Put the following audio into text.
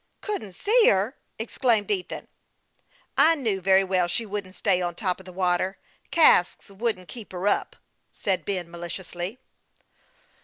" Couldn't see her !" exclaimed Ethan, aghast at the intelligence. " I knew very well she wouldn't stay on top of the water. Casks wouldn't keep her up," said Ben, maliciously.